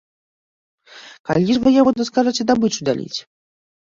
Калі ж, ваявода, скажаце дабычу дзяліць?